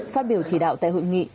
phát biểu chỉ đạo tại hội nghị